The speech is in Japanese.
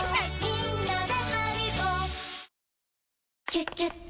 「キュキュット」